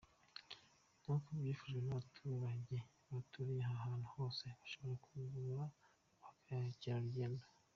Nk’uko byifujwe n’abaturage baturaniye aha hantu hose, hashobora gukurura ba mukerarugendo.